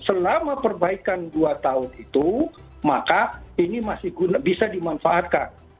selama perbaikan dua tahun itu maka ini masih bisa dimanfaatkan